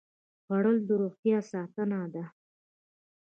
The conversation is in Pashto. خوړل د روغتیا ساتنه ده